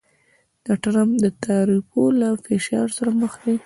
د ټرمپ د تعرفو له فشار سره مخ دی